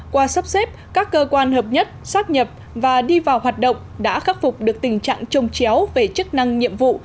qua sắp xếp các cơ quan hợp nhất xác nhập và đi vào hoạt động đã khắc phục được tình trạng trông chéo về chức năng nhiệm vụ